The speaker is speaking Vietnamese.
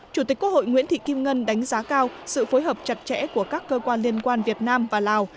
chủ tịch quốc hội nguyễn thị kim ngân đánh giá cao sự phối hợp chặt chẽ của các cơ quan liên quan việt nam và lào